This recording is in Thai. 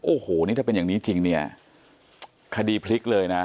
โอ้โหถ้าเป็นอย่างนี้จริงคดีพลิกเลยนะ